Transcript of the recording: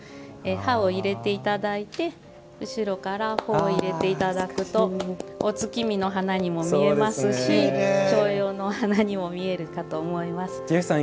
葉を入れていただいて後ろから穂を入れていただくとお月見の花にも見えますし重陽のお花にも見えるかと思います。